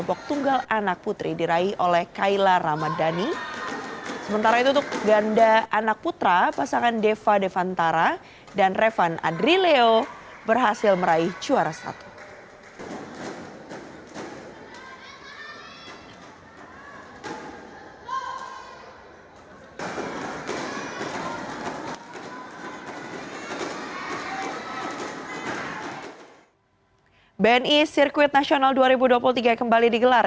bni circuit national b dua ribu dua puluh tiga kembali digelar